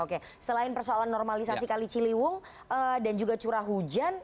oke selain persoalan normalisasi kali ciliwung dan juga curah hujan